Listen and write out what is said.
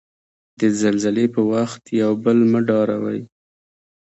د زلزلې په وخت یو بل مه ډاروی.